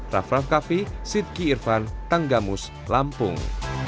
raff raff kaffi sidki irfan tanggamus lampung